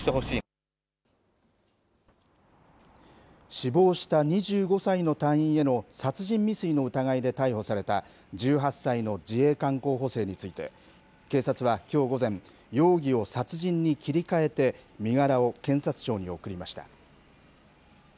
死亡した２５歳の隊員への殺人未遂の疑いで逮捕された１８歳の自衛官候補生について警察はきょう午前容疑を殺人に切り替えて身柄を検察庁に送りました。